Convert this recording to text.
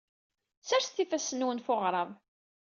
Sserset ifassen-nwen ɣef uɣrab.